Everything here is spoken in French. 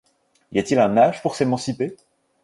Y a-t-il un âge pour s’émanciper ?